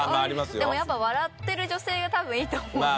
でもやっぱ笑ってる女性が多分いいと思うんで。